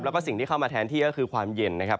แล้วก็สิ่งที่เข้ามาแทนที่ก็คือความเย็นนะครับ